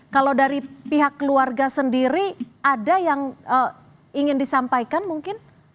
kalau dari pihak keluarga sendiri ada yang ingin disampaikan mungkin